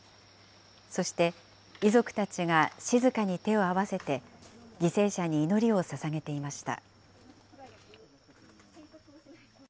そして、遺族たちが静かに手を合わせて、犠牲者に祈りをささげていました。